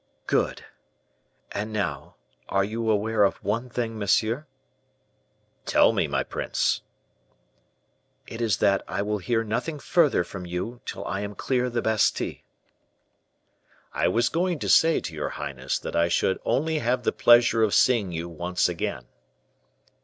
"Good. And now, are you aware of one thing, monsieur?" "Tell me, my prince." "It is that I will hear nothing further from you till I am clear of the Bastile." "I was going to say to your highness that I should only have the pleasure of seeing you once again."